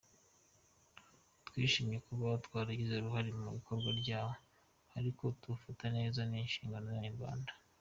Twishimye kuba twaragize uruhare mu ikorwa ryawo ariko kuwufata neza ni inshingano y’Abanyarwanda.